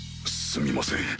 すみません。